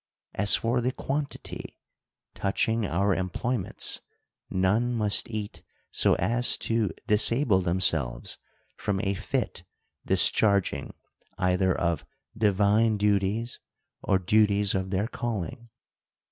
As for the quantity, touching our employments, none must eat so as to disable themselves from a fit discharging either of divine duties, or duties of their calling.